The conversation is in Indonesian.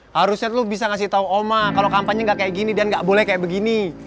harusnya lu bisa ngasih tau oma kalau kampanye nggak kayak gini dan gak boleh kayak begini